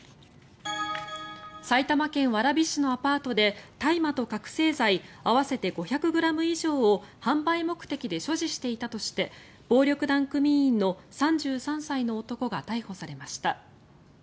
埼玉県蕨市のアパートで大麻と覚醒剤合わせて５００ｇ以上を販売目的で所持していたとして暴力団組員の３３歳の男が逮捕されました。